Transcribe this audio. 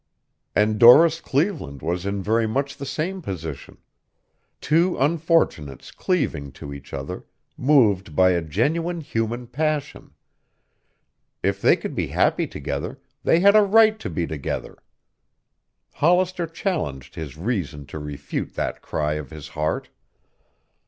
And Doris Cleveland was in very much the same position. Two unfortunates cleaving to each other, moved by a genuine human passion. If they could be happy together, they had a right to be together. Hollister challenged his reason to refute that cry of his heart.